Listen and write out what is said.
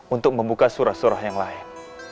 untuk membuka surah surah yang lain